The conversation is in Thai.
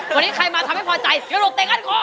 วันนี้ใครมาทำไม่พอใจเกราะโตเต็งกัน